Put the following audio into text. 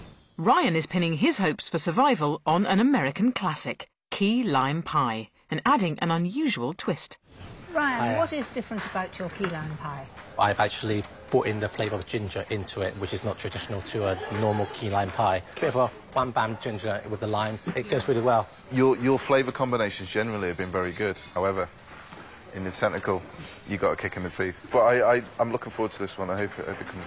はい。